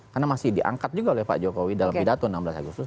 karena masih diangkat juga oleh pak jokowi dalam pidato enam belas agustus